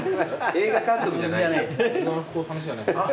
映画の話じゃないんですか。